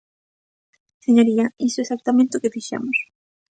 Señoría, iso é exactamente o que fixemos.